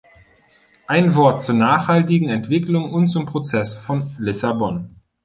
Ein Wort zur nachhaltigen Entwicklung und zum Prozess von Lissabon.